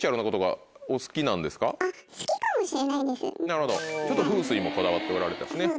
なるほどちょっと風水もこだわっておられたしね。